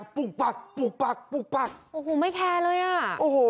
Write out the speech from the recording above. มึงมาบ้านเหรอ